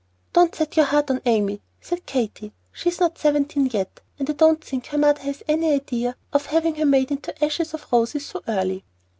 "Don't set your heart on Amy," said Katy. "She's not seventeen yet; and I don't think her mother has any idea of having her made into Ashes of Roses so early!"